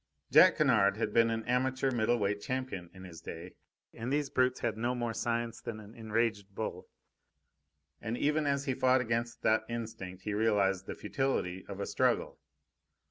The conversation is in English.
Jack Kennard had been an amateur middle weight champion in his day, and these brutes had no more science than an enraged bull! But even as he fought against that instinct he realised the futility of a struggle.